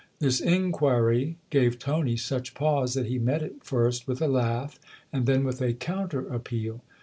This inquiry gave Tony such pause that he met it first with a laugh and then with a counter appeal.